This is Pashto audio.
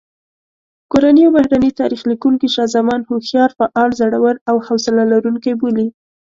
کورني او بهرني تاریخ لیکونکي شاه زمان هوښیار، فعال، زړور او حوصله لرونکی بولي.